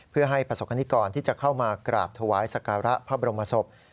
เพื่อให้ประสบคณิกรที่จะเข้ามากราบถวายสการะพระบรมศพ